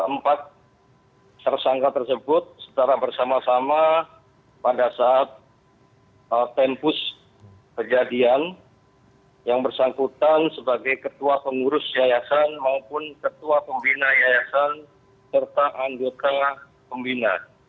empat tersangka tersebut secara bersama sama pada saat tempus kejadian yang bersangkutan sebagai ketua pengurus yayasan maupun ketua pembina yayasan serta anggota pembina